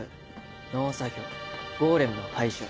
農作業ゴーレムの排除